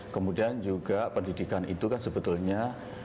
kemudian juga pendidikan itu kan sebetulnya